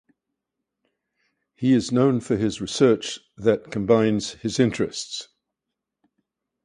He is known for his research that combines his interests.